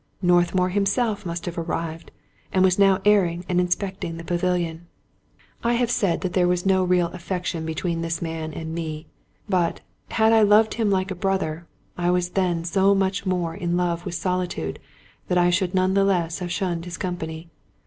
Northmour himself must have arrived, and was now airing and inspecting the pavilion. I have said that there was no real affection between this man and me; but, had I loved him like a brother, I was then so much more in love with solitude that I should none the less have shunned his company.